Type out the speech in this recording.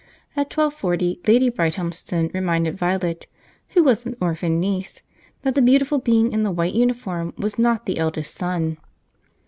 At twelve forty Lady Brighthelmston reminded Violet (who was a h'orphan niece) that the beautiful being in the white uniform was not the eldest son.